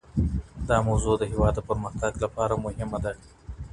دا موضوع د هېواد د پرمختګ لپاره مهمه ده.